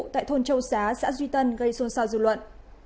tại thôn châu xá xã duy tân gây xôn xao dư luận